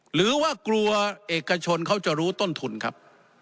หรือว่ากลัวเอกชนเขาจะรู้ต้นทุนครับ